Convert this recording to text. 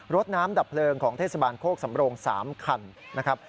รถน้ำดับเพลิงของเทศบาลโคกสำโรง๓คันนะครับ